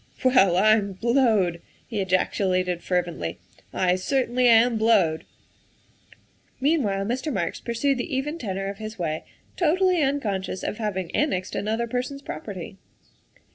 "Well, I'm blowed!" he ejaculated fervently, "I certainly am blowed !'' Meanwhile Mr. Marks pursued the even tenor of his way, totally unconscious of having annexed another per son 's property.